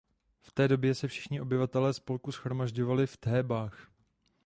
V té době se všichni obyvatelé spolku shromažďovali v Thébách.